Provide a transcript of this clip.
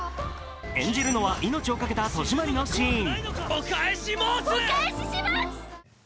演じるのは命を懸けた戸締まりのシーン。